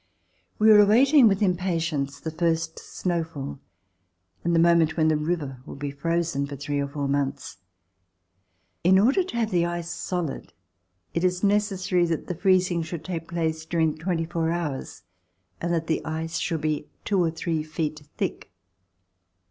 We were awaiting with impatience the first snow fall and the moment when the river would be frozen for three or four months. In order to have the ice solid, it is necessary that the freezing should take place during the twenty four hours, and that the ice should be two or three feet thick.